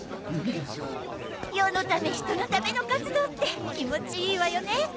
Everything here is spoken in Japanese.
世のため人のための活動って気持ちいいわよね！